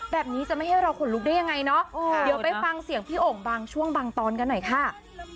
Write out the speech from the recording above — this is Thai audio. แบบนี้จะไม่ให้เราขนลุกได้ยังไงเนาะเดี๋ยวไปฟังเสียงพี่โอ่งบางช่วงบางตอนกันหน่อยค่ะ